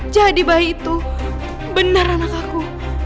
bayi itu benar anak aku